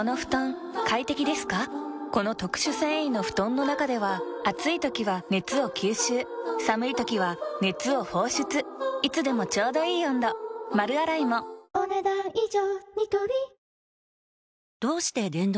この特殊繊維の布団の中では暑い時は熱を吸収寒い時は熱を放出いつでもちょうどいい温度丸洗いもお、ねだん以上。